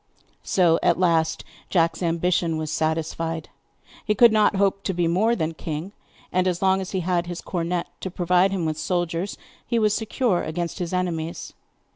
So at last Jack's ambition was satisfied. He could not hope to be more than king, and as long as he had his cornet to provide him with soldiers he was secure against his enemies.